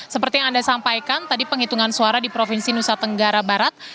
seperti yang anda sampaikan tadi penghitungan suara di provinsi nusa tenggara barat